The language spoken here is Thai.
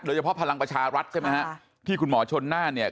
เฉพาะพลังประชารัฐใช่ไหมฮะที่คุณหมอชนน่านเนี่ย